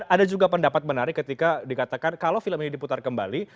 ada juga pendapat menarik ketika dikatakan kalau film ini diputar kembali